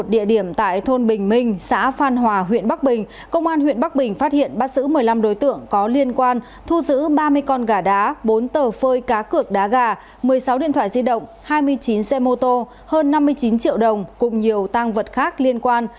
tại địa điểm tại thôn bình minh xã phan hòa huyện bắc bình công an huyện bắc bình phát hiện bắt giữ một mươi năm đối tượng có liên quan thu giữ ba mươi con gà đá bốn tờ phơi cá cược đá gà một mươi sáu điện thoại di động hai mươi chín xe mô tô hơn năm mươi chín triệu đồng cùng nhiều tăng vật khác liên quan